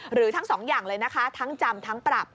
หรือทั้งสองอย่างเลยนะคะทั้งจำทั้งปรับ